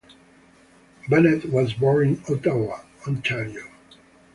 Bennett was born in Ottawa, Ontario.